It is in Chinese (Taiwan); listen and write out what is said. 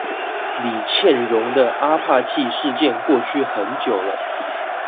李蒨蓉的阿帕契事件過去很久了